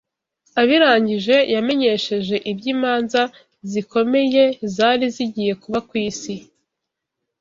abirangije yamenyesheje iby’imanza zikomeye zari zigiye kuba ku isi